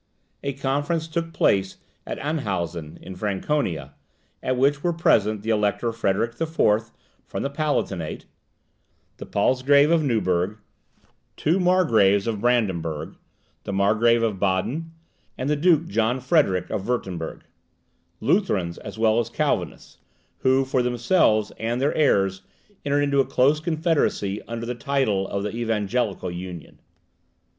A conference took place at Anhausen, in Franconia, at which were present the Elector Frederick IV., from the Palatinate, the Palsgrave of Neuburg, two Margraves of Brandenburg, the Margrave of Baden, and the Duke John Frederick of Wirtemburg, Lutherans as well as Calvinists, who for themselves and their heirs entered into a close confederacy under the title of the Evangelical Union.